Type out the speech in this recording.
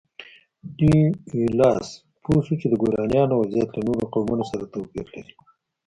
ډي ایولاس پوه شو چې د ګورانیانو وضعیت له نورو قومونو توپیر لري.